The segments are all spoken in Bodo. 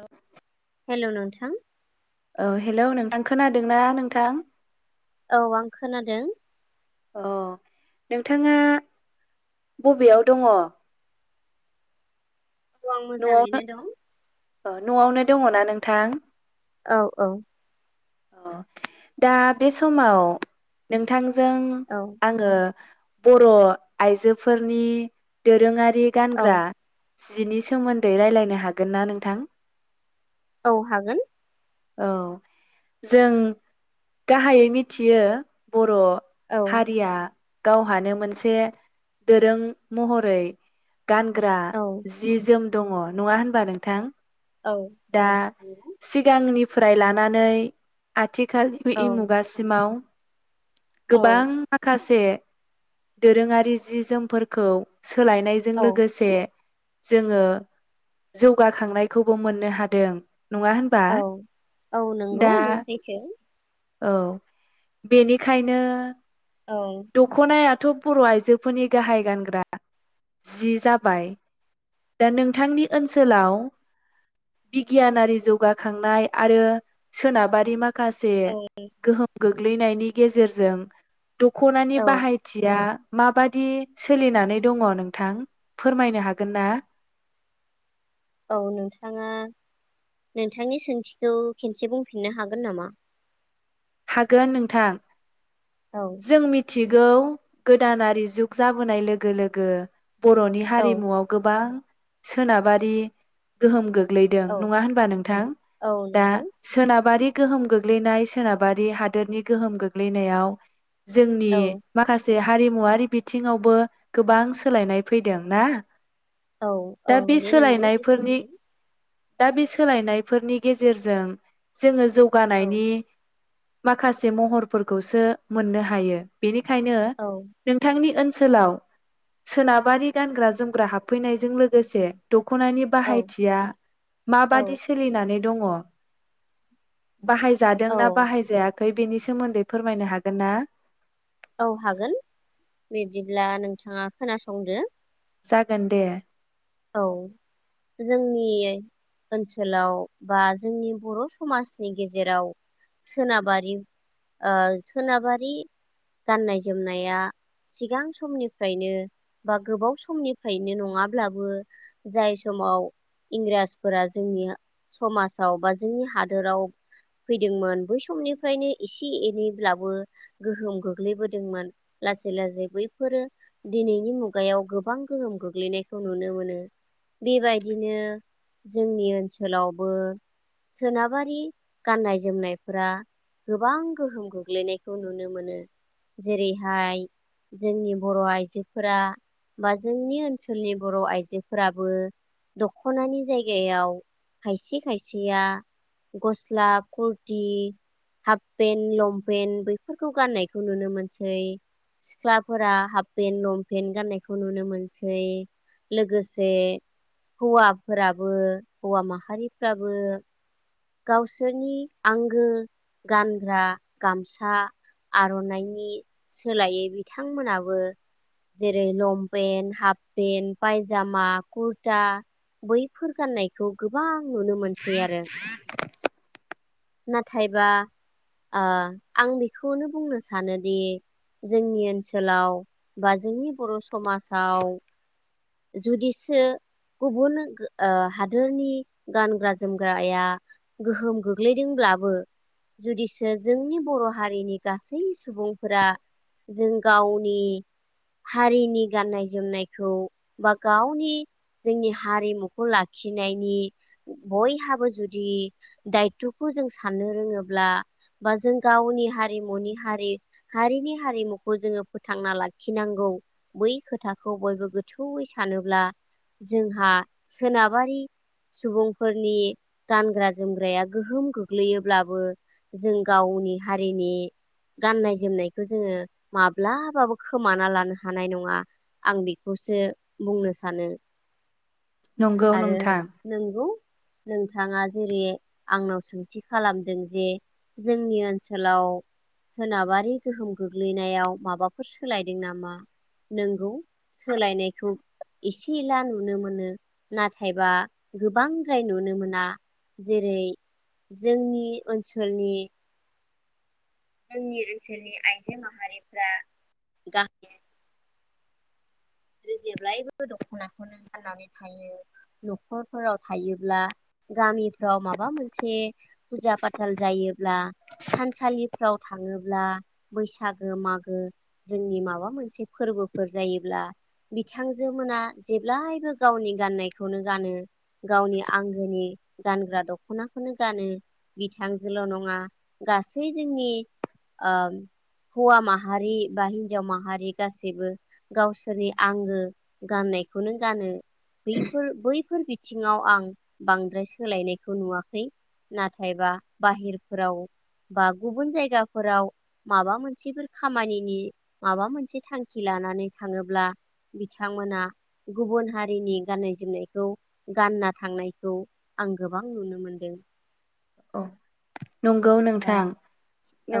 औ। [inaudible] हेलौ नोंथा औ हेलौ नोंथां खोनादोंना नोंथां? औ आं खोनादों। अ नोंथाङा बबेयाव दङ? औ आं न'आवनो मोजाङैनो दं । न'आवनो दङना नोंथां? औ औ अ दा बे समाव नोंथां जों औ आंङो बर' आइजोफोरनि दोरोंङारि यि औ गानग्रा जिनि सोमोन्दै रायज्लायनो हागोन ना नोंथां? औ हागोन। औ जों गाहायै मिथियो बर' औ हारिया गावहानो मोनसे दोरों महरै गानग्रा औ जि जोम दंङ नंङा होनबा नोंथां? औ दा सिगांनि फ्राय लानानै आथि खाल औ इ मुगासिमाव गोबां माखासे दोरोंङारि जि जोमफोरखौ सोलायनायजों औ लोगोसे जोंङो जौगाखांनायखौबो मोननो हादों। नंङा होनबा? दा थो। औ बेनिखायनो औ दख'नाया थ' बर' आइजोफोरनि गाहाय गानग्रा जि जाबाय दा नोंथांनि ओनसोलाव बिगियानारि जौगाखांनाय आरो सोनाबा रि मा खासे औ गोहोम गो ग्लैनायनि गेजेरजों दख'नानि औ बाहायथिया माबादि सोलिनानै दंङ नोंथां फोरमायनो हागोन ना? औ नोंथांङा नोंथांनि सोंथिखौ खनसे बुंफिननो हागोन नामा? हागोन नोंथां। औ जों मिथि यि गौ गोदानारि जुग जाबोनाय लोगो लोगो बर'नि औ हारिमुआव गोबां सोनाबारि गोहोम गो ग्लैदों औ नङा होनबा नोंथां औ दा नंगौ सोनाबारि गोहोम गोग्लैनाय सोनाब बारि हादोरनि गोहोम गोग्लैनायाव जोंनि औ माखासे हारिमुवारि बिथिङावबो गोबां सोलायनाय फैदों ना। औ औ दा बे दे नंगौ बे सोलायनायफोरनि सैथो। दा बे सोलायनायफोरनि गेजेरजों जोङो औ जौगानायनि माखासे महरफोरखौसो मोननो हायो बेनि खायनो औ नोंथांनि ओन सोलाव सोनाबारि गानग्रा जोमग्रा हाबफैनायजों लोगोसे द ख'नायनि औ बाहायथिया माबादि औ सोलिनानै दङ। बाहायजादों औ ना जायाखै बेनि सोमोन्दै फोरमायनो हागोन ना? औ हागोन बिब्दिब्ला नोंथाङा खोनासंदो जागोन दे औ जोंनि ओनसोलाव बा जोंनि बर' समाजनि गेजेराव सोनाबारि ओ सोनाबारि गाननाय जोमनाया सिगां समनिफ्रायनो बा गोबाव समनिफ्रायनो नङाब्लाबो जाय समाव इंराजफोरा जोंनि समाजाव बा जोंनि हादोराव फैदोंमोन बै समनिफ्रायनो एसे एनैब्लाबो गोहोम गोग्लैबोदोंमोन लासै लासै बैफोरो दिनैनि मुगायाव गोबां गोहोम गोग्लैनायखौ नुनो मोनो। बेबायदिनो जोंनि ओनसोलावबो सोनाबारि गाननाय जोमनायफोरा गोबां गोहोम गोग्लैनायखौ नुनो मोनो जेरैहाय जोंनि बर' आइजोफोरा बा जोंनि ओनसोलनि बर' आइजो फोराबो दखनानि जायगायाव खायसे खायसेया गस्ला कुरटि हाफ पेन्ट लंपेन्ट बैफोरखौ गाननायखौ नुनो मोनसै सिख्लाफोरा हाफ पेन्ट लंपेन्ट गाननायखौ नुनो मोनसै लोगोसे से हौवाफोराबो हौवा माहारिफ्राबो गावसोरनि आंगो गानग्रा गामसा आर'नाइनायनि सोलायै बिथांमोनाबो जेरै लंपेन्ट हाफ पेन्ट पायजामा कुरता बैफोर गाननायखौ गोबां नुनो मोनसै आरो नाथायबा ओ आं बेखौनो बुंनो सानोदि जोंनि ओनसोलाव बा जोंनि बर' समाजाव जुदिसो गुबुन ओ हादोरनि गानग्रा जोमग्राया गोहोम गो गोग्लैदोंब्लाबो जुदिसो जोंनि बर' हारिनि गासै सुबुंफोरा जों गावनि हारिनि गाननाय जोमनायखौ बा गावनि जोंनि हारिमुखौ लाखिनायनि बयहाबो जुदि दाय थ'खौ जों साननो रोङोब्ला बा जों गावनि हारिमुनि हारि हारिनि हारिमुखौ जोङो फोथांना लाखिनांगौ बै खोथाखौ बयबो गोथौयै सानोब्ला जोंहा सोनाबारि सुबुंफोरनि गानग्रा जोमग्राया गोहोम गोग्लैयोब्लाबो जों गावनि हारिनि गाननाय जोमनायखौ जोङो माब्लाबाबो खोमाना लानो हानाय नङा आं बेखौसो बुंनो सानो। नंगौ आरो नोंथां नोंगौ नोंथाङा जेरै आंनाव सोंथि खालामदों जे जोंनि ओनसोलाव सोनाबारि गोहोम गोग्लैनायाव माबाफोर सोलायदों नामा नोंगौ सोलायनायखौ एसे एला नुनो मोनो नाथायबा गोबांद्राय नुनो मोना जेरै जोंनि ओनसोलनि जोंनि ओनसोलनि आइजो माहारिफ्रा गाहाय जेब्लायबो दख'नाखौनो फाननानै थायो न'खरफोराव थायोब्ला गामिफ्राव माबा मोनसे फुजा फाथाल जायो ब्ला थानसालिफ्राव थाङोब्ला बैसागो मागो जोंनि माबा मोनसे फोरबोफोर जायोब्ला बिथांजो मोना जेब्लायबो गावनि गाननायखौनो गानो गावनि आंगोनि गानग्रा दख'नाखौनो गानो बिथांजोल' नङा गासै जोंनि ओ हौवा माहारि बा हिनजाव माहारि गासैबो गावसोर सोरनि आंगो गाननायखौनो गानो बफोर बैफोर बिथिङाव आं बांद्राय सोलायनायखौ नुवाखै नाथायबा बाहेरफोराव बा गुबुन जायगाफोराव माबा मोनसेफोर खामानिनि माबा मोनसे थांखि लानानै थाङोब ब्ला बिथांमोना गुबुन हारिनि गाननाय जोमनायखौ गानना थांनायखौ आं गोबां नुनो मोनदों। औ। नंगौ दा नोंथां।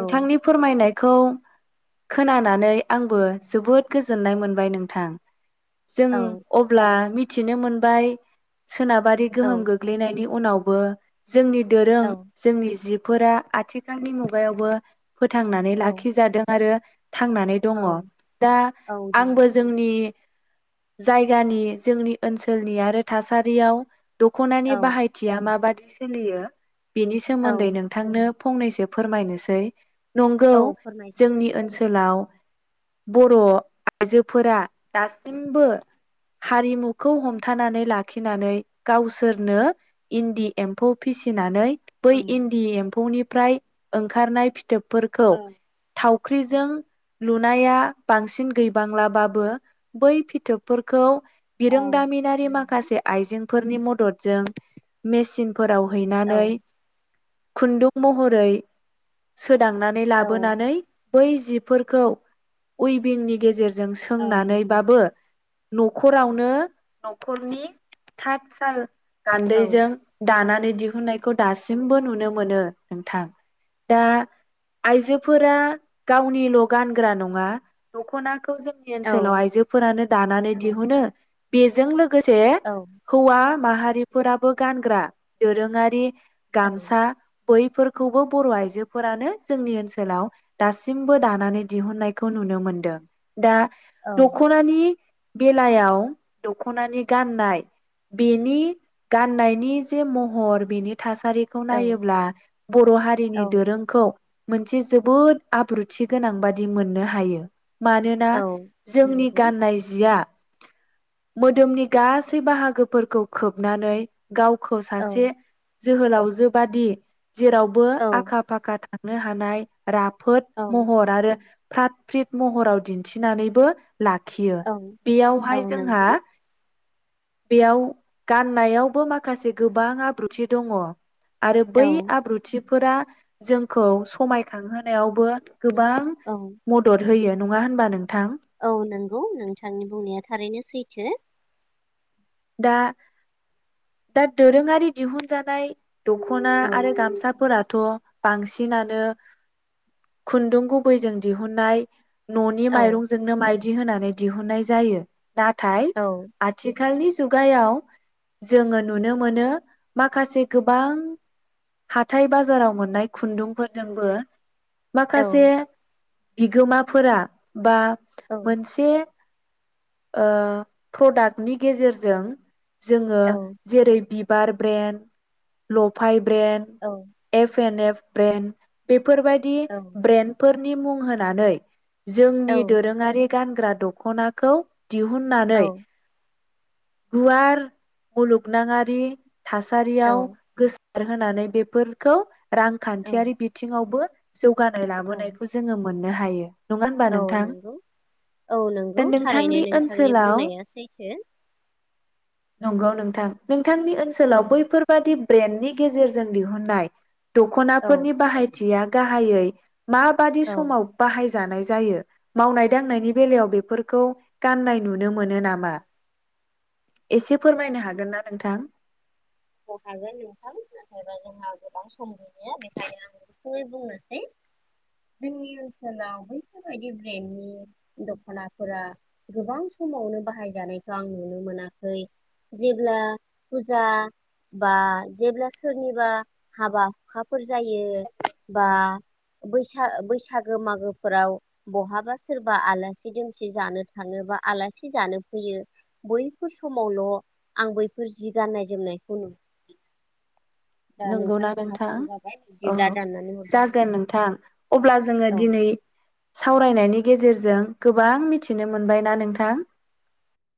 औ फोरमायनाय खौ खोनानानै आंबो जोबोद गोजोननाय मोनबाय नोंथां। जों औ अब्ला मि थिनो मोनबाय सोनाबारि औ गोहोम गोग्लैनायनि उनावबो जोंनि दोरों औ जोंनि जिब फोरा आथिखालनि मुगायावबो फोथांनानै औ लाखिजादों आरो थांनानै दङ। औ दा औ दङ आंबो जोंनि जायगानि जोंनि ओनसोलनि आरो थासारियाव दखनानि औ बाहायथिया माबादि सोलियो बेनि सोमोन्दै औ नोंथांनो फंनैसो फोरमायनोसै। नंगौ औ जोंनि फोरमायजागोन ओनसोलाव बर आइजोफोरा दासिमबो हारिमुखौ हमथानानै लाखिनानै गावसोरनो इन्दि एम्फौ फिसि फिनानै बै ओं इन्दि एम्फौनि फ्राय ओंखारनाय फिथोब फोरखौ ओं थाव ख्रिजों लुनाया बांसिन गैबांलाबाबो बै फिथोबफोरखौ ओं बिरोंदामिनारि नंगौ माखासे आइजें फोरनि मददजों मेसिनफोराव औ हैनानै खुन्दुं महरै सोदांनानै औ लाबोनानै बै जिफोरखौ उइबिंनि गेजेर जों नंगौ सोंनानैबाबो नखरावनो नखरनि थात साल औ नंगौ गान्दैजों दाना दिहुननायखौ दासिमबो नुनो मोनो नोंथां। दा आइजोफोरा गावनिल गानग्रा नङा दखना खौ जोंनि औ ओनसोलाव आइजोफोरानो दानानै दिहुनो। बेजों लो गोसे औ हौवा माहारिफोराबो गानग्रा दोरङारि गामसा बैफोरखौबो बर आइजोफोरानो जोंनि ओनसोलाव दासिमबो दानानै दिहुननायखौ नुनो मोनदों। दा औ दखनानि बेलायाव दख'नानि गाननाय बेनि गाननायनि महर बिनि थासारिखौ नायोब्ला बर' हारिनि दोरोंखौ मोनसे जोबोद आब्रुथि गोनां बादि मोननो हायो। मानोना औ जोंनि गाननाय जिया। मोदोमनि गासै बाहागोफोरखौ खोबनानै गाव खौ सासे। जोहोलाव जोबाइदि। जेरावबो औ आखा फाखा थांनो हानाय। राफोद महर आरो। फ्रात फ्रित महराव दिन्थिनानैबो लाखियो औ औ बेयावहाय जोंहा नंगौ बेयाव गाननायावबो माखासे माखासे गोबां आब्रुथि दङ। आरो औ बै आब्रुथि। फोरा जोंखौ समायखांहोनायावबो गोबां औ मदद होयो। नङा होनबा नोंथां। औ नंगौ नोंथांनि बुंनाया थारैनो सैथो। दा दा दोरोङारि दिहुनजानाय। दखना औ आरो गामसााफोरा। थ बांसिनानो खुन्दुं गुबैजों दिहुननाय। न'नि औ माइरंजोंनो माइदि बिदि होनानै दिहुननाय जायो। नाथाय औ आथिखालनि मुगायाव जोङो नुनो मोनो माखासे गोबां हाथथाय बाजाराव मोननाय खुन्दुंफोरजोंबो औ माखासे। बिगोमाफोरा बा औ मोनसे। प्रडाक्टनि गेजेरजों। जों। जोङो औ जेरै बिबार ब्रेन्ड लफाइ ब्रेन एफ एन एफ। फ्रायन बे फोरबायदि औ ब्रेन्डफोर नि मुं होनानै औ जोंनि दोरोङारि गानग्रा दख'नाखौ दिहुननानै गुवार मुलुगनाङारि थासारियाव औ गोस आर होनानै बेफोरखौ रांखान्थियारि बिथिङावबो जौ गानो औ लाबोनायखौ जोङो मोननो हायो । औ नोंगौ औ दा नोंगौ थारैनो नोंथांनि नोंथांनि ओनसोलाव बुंनाया सैथो । नंगौ नोंथां नों थांनि औ ओनसोलाव बैफोरबादि ब्रेन्डनि गेजेरजों दिहुननाय औ दख'नाफोरनि बाहायथिया गाहायै माबादि औ समाव बाहायज जानाय जायो मावनाय दांनायनि बेलायाव बेफोरखौ गाननाय नुनो मोनो नामा? एसे फोरमायनो हागोनना नोंथां? अ हागोन नोंथां नाथायबा जोंहा गोबां सम गैलिया बेखायनो आं गुसुंङै बुंनोसै जोंनि ओनसोलाव बैफोरबायदि ब्रेन्डनि दख'नाफोरा गोबां समावनो बाहायजानायखौ आं नुनो मोनाखै, जेब्ला फुजा बा जेब्ला सोरनिबा हाबा हुखा फोर जायो बा बैसा बैसागो मागोफोराव बहाबा सोरबा आलासि दुमसि जानो थांङो बा आलासि जानो फैयो बैफोर समावल आं बैफोर जि गाननाय जोमनाय हुनु नंगौना नोंथां औ दाननानै हरदो नामा जागोन नोंथां अब्ला जोंङो औ दिनै सावरायनायनि गेजेरजों गोबां मिथिनो मोनबायना नोंथां।